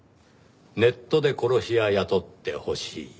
ネットで殺し屋雇ってほしい。